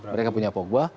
mereka punya pogba